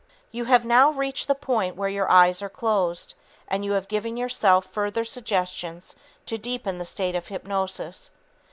You have now reached the point where your eyes are closed, and you have given yourself further suggestions to deepen the state of hypnosis.